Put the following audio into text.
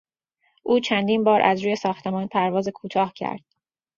او چندین بار از روی ساختمان پرواز کوتاه کرد